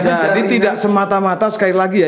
jadi tidak semata mata sekali lagi ya